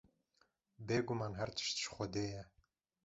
Bêguman her tişt ji Xwedê ye.